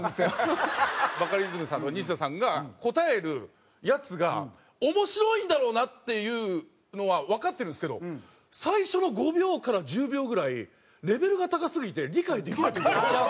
バカリズムさんとか西田さんが答えるやつが面白いんだろうなっていうのはわかってるんですけど最初の５秒から１０秒ぐらいレベルが高すぎて理解できない時があるんですよ。